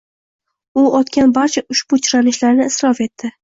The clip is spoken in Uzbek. U otgan barcha ushbu chiranishlarni isrof etdi.